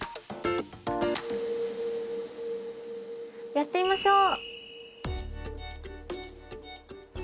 やってみましょう。